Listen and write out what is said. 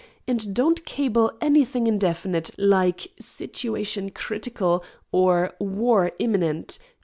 And don't cable anything indefinite, like 'Situation critical' or 'War imminent.'